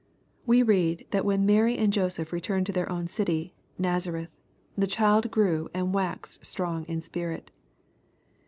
We read, that when Mary and Joseph returned to their own city Nazareth, "the child grew and waxed strong in spirit."